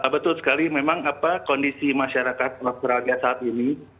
betul sekali memang kondisi masyarakat australia saat ini